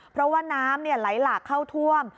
เพราะว่าน้ำไหลหลากเข้าท่วม